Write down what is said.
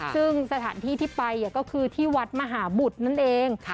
ซึ่งสถานที่ที่ไปก็คือที่วัดมหาบุตรนั่นเอง